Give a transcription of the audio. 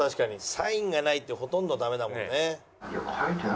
サインがないとほとんどダメだもんね。